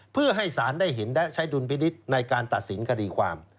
เพื่อให้สารได้เห็นและใช้ดุลพินิษฐ์ในการตัดสินคดีความ